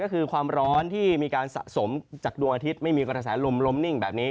ก็คือความร้อนที่มีการสะสมจากดวงอาทิตย์ไม่มีกระแสลมล้มนิ่งแบบนี้